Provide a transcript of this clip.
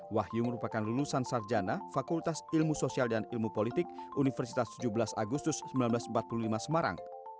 wahyu merupakan lulusan sarjana fakultas ilmu sosial dan ilmu politik universitas tujuh belas agustus seribu sembilan ratus empat puluh lima semarang